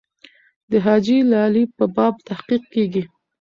د حاجي لالي په باب تحقیق کېږي.